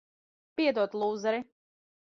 Piedod, lūzeri.